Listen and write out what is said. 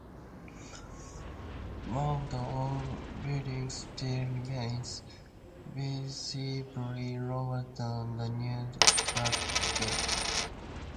One of the old buildings still remains, visibly lower than the new trackbed.